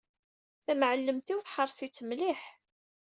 Tamɛellemt-iw teḥreṣ-itt mliḥ.